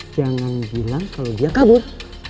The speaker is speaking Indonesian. jangan bilang kalau dia kabur